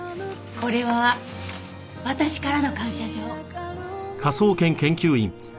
これは私からの感謝状。